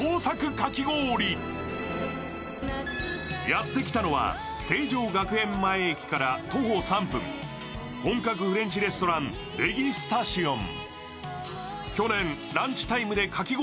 やってきたのは成城学園前駅から徒歩３分本格フレンチレストラン、デギスタシオン。